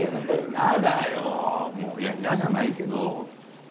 やだよいや嫌じゃないけど。